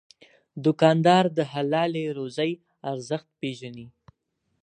دوکاندار د حلال روزي ارزښت پېژني.